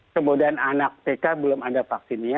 kemudian anak pk belum ada vaksinnya